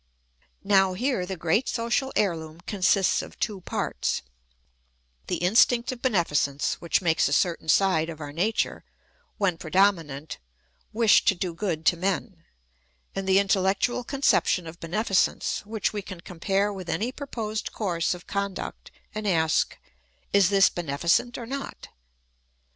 Now here the great social heirloom consists of two parts : the in stinct of beneficence, which makes a certain side of our nature, when predominant, wish to do good to men ; and the intellectual conception of beneficence, which we can compare with any proposed course of conduct and ask, ' Is this beneficent or not